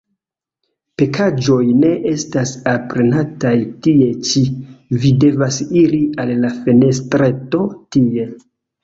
Pakaĵoj ne estas alprenataj tie ĉi; vi devas iri al la fenestreto, tie.